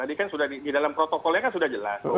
tadi kan sudah di dalam protokolnya kan sudah jelas